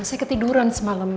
saya ketiduran semalam